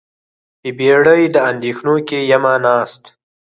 په بیړۍ د اندیښنو کې یمه ناسته